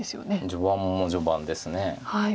序盤も序盤です。